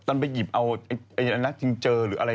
ตอนไปหยิบเอานักทิงเจอหรืออะไร